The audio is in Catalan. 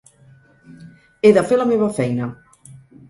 He de fer la meva feina.